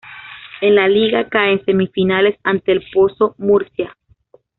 En la Liga cae en semifinales ante el ElPozo Murcia.